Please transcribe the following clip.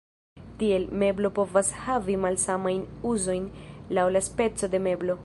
Tiel, meblo povas havi malsamajn uzojn laŭ la speco de meblo.